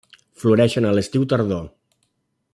Floreixen a l'estiu-tardor.